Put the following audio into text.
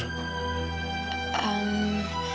kamu jangan tidur